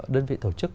đơn vị tổ chức